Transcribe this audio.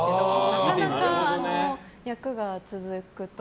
なかなか役が続くと。